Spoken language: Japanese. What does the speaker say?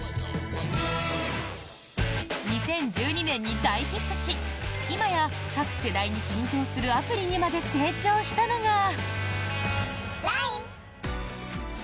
２０１２年に大ヒットし、今や各世代に浸透するアプリにまで成長したのが。